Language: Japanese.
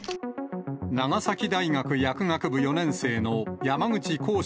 長崎大学薬学部４年生の山口鴻志